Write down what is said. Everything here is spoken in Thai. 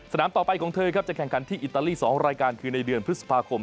ต่อไปของเธอครับจะแข่งขันที่อิตาลี๒รายการคือในเดือนพฤษภาคม